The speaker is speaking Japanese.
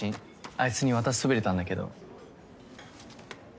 あいつに渡しそびれたんだけど。